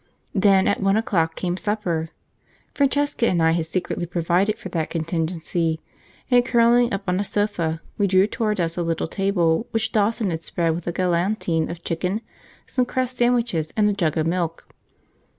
Then at one o'clock came supper. Francesca and I had secretly provided for that contingency, and curling up on a sofa we drew toward us a little table which Dawson had spread with a galantine of chicken, some cress sandwiches, and a jug of milk.